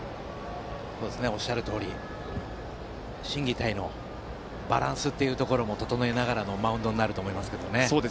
おっしゃるとおり心技体のバランスも整えながらのマウンドになると思いますけども。